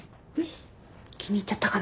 気に入っちゃったかも。